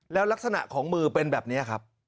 แล้วลักษณะของมือเป็นแบบนี้ครับ